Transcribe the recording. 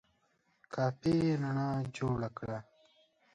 کافي رڼا جوړه کړه !